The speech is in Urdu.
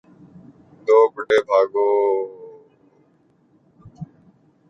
دوپٹے بھگو